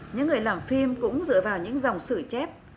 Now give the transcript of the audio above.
những người làm phim cũng dựa vào những dòng sử chép